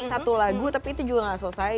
satu lagu tapi itu juga gak selesai